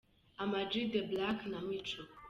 Am G The Black na Mico.